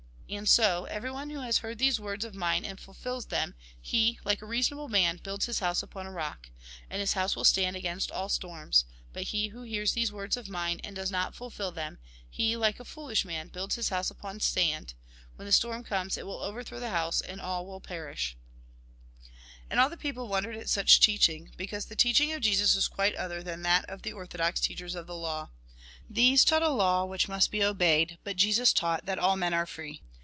And so, everyone who has heard these words of mine, and fulfils them, he, like a reasonable man, builds his house upon a rock. And his house will stand against all storms. But he who hears these words of mine, and does not fulfil them, he, like a foolish man, builds his house upon sand. When the storm comes, it will overthrow the house, and all will perish. 6o THE GOSPEL IN BRIEF And all the people wondered at such teaching ; because the teaching of Jesus was quite other than that of the orthodox teachers of the law. These taught a law which must be obeyed, but Jesus taught that all men are free.